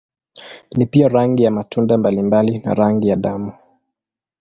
Ni pia rangi ya matunda mbalimbali na rangi ya damu.